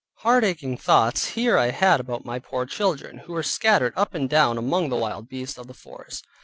Heart aching thoughts here I had about my poor children, who were scattered up and down among the wild beasts of the forest.